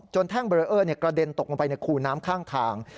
แท่งเบรเออร์กระเด็นตกลงไปในคูน้ำข้างทาง